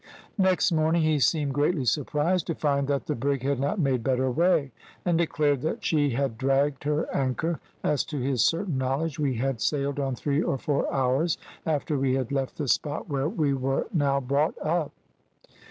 "Next morning he seemed greatly surprised to find that the brig had not made better way, and declared that she had dragged her anchor, as to his certain knowledge we had sailed on three or four hours after we had left the spot where we were now brought up.